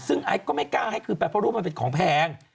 ซึ่งไอซ์ก็ไม่กล้าให้คืนไปเพราะรูปมันเป็นของแพง